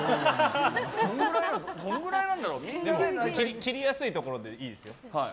切りやすいところでいいですよ。